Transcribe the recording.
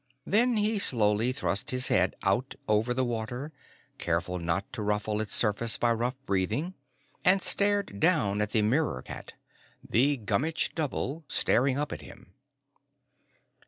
Then he slowly thrust his head out over the water, careful not to ruffle its surface by rough breathing, and stared down at the mirror cat the Gummitch Double staring up at him.